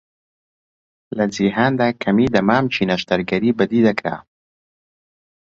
لە جیهاندا کەمی دەمامکی نەشتەرگەری بەدیدەکرا.